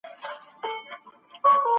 هغه له تېرو څو کلونو راهیسې په موضوع کار کوي.